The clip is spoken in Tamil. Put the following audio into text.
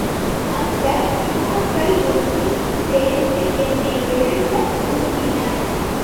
அந்த வினாக்கள் ஒன்று சேர்ந்து என்னை எழுதத் தூண்டின.